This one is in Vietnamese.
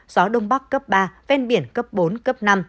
gió đông bắc cấp ba ven biển cấp bốn cấp năm